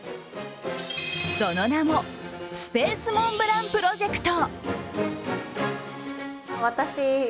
その名もスペースモンブランプロジェクト。